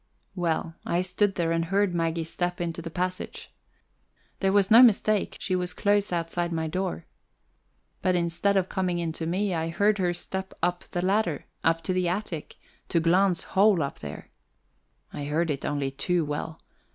Well, I stood there and heard Maggie step into the passage. There was no mistake: she was close outside my door. But instead of coming in to me, I heard her step up the ladder up to the attic to Glahn's hole up there. I heard it only too well.